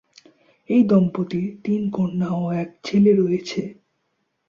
এই দম্পতির তিন কন্যা ও এক ছেলে রয়েছে।